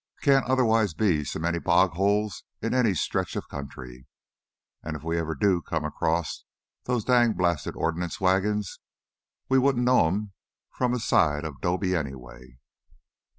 "Can't otherwise be so many bog holes in any stretch of country. An' if we ever do come across those dang blasted ordnance wagons, we won't know 'em from a side of 'dobe anyway."